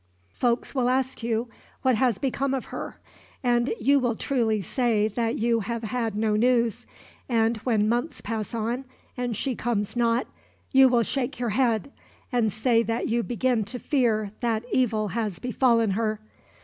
"Folks will ask you what has become of her, and you will truly say that you have had no news; and when months pass on, and she comes not, you will shake your head, and say that you begin to fear that evil has befallen her.